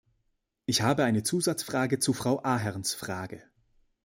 Ich habe eine Zusatzfrage zu Frau Aherns Frage.